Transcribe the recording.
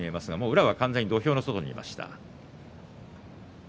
宇良は土俵の外にいました。